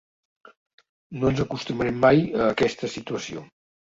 No ens acostumarem mai a aquesta situació.